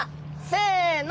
せの！